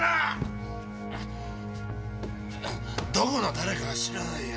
どこの誰かは知らないよ。